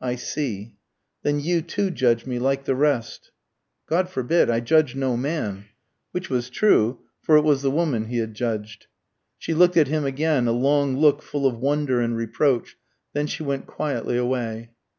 "I see. Then you too judge me like the rest." "God forbid. I judge no man." Which was true, for it was the woman he had judged. She looked at him again, a long look full of wonder and reproach; then she went quietly away.